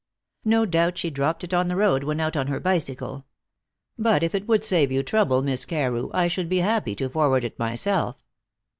No doubt she dropped it on the road when out on her bicycle. But if it would save you trouble, Miss Carew, I should be happy to forward it myself."